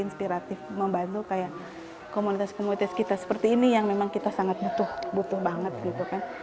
inspiratif membantu kayak komunitas komunitas kita seperti ini yang memang kita sangat butuh banget gitu kan